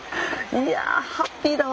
いやハッピーだわ。